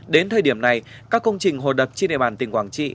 đến thời điểm này các công trình hồ đập trên địa bàn tỉnh quảng trị